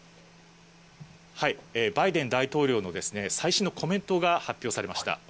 バイデン大統領の最新のコメントが発表されました。